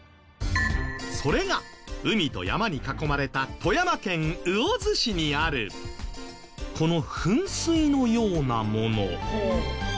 それが海と山に囲まれた富山県魚津市にあるこの噴水のようなもの。